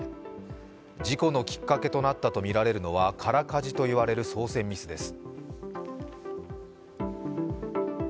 事故のきっかけとなったとみられるのは、空かじと言われる操船ミスです。